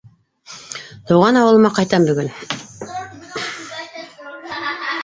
Тыуған ауылыма ҡайтам бөгөн.